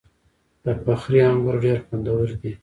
د فخری انګور ډیر خوندور دي.